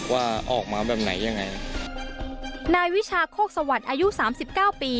ว่าออกมาแบบไหนยังไงนายวิชาโฆกสวรรคสวรรคสวรรคอายุสามสิบเก้าปี